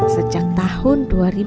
sejak tahun dua ribu enam belas